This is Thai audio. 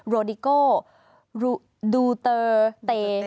โรดิโก้ดูเตอร์เต